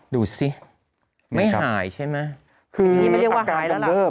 ดูสิไม่หายใช่ไหม